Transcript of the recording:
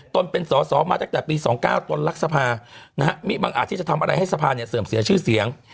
ต้นเป็นสอสอมาตั้งแต่ปีสองเก้าต้นรักสภานะฮะมีบางอาจที่จะทำอะไรให้สภาเนี้ยเสื่อมเสียชื่อเสียง